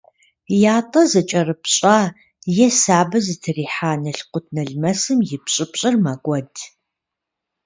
Ятӏэ зыкӏэрыпщӏа е сабэ зытрихьа налкъутналмэсым и пщӏыпщӏыр мэкӏуэд.